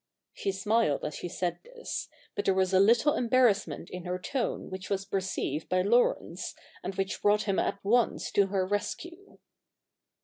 She smiled as she said this ; but there was a little embarrassment in her tone which was perceived by Laurence, and which brought him at once to her rescue.